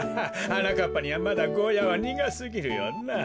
はなかっぱにはまだゴーヤはにがすぎるよな。